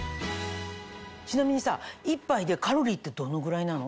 ちなみにさ１杯でカロリーってどのぐらいなの？